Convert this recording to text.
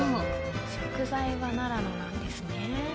食材は奈良のなんですね。